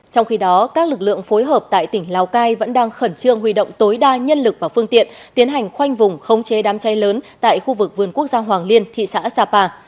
trong khi đó các lực lượng phối hợp tại tỉnh lào cai vẫn đang khẩn trương huy động tối đa nhân lực và phương tiện tiến hành khoanh vùng khống chế đám cháy lớn tại khu vực vườn quốc gia hoàng liên thị xã sapa